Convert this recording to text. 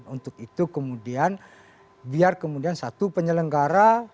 untuk itu kemudian biar kemudian satu penyelenggara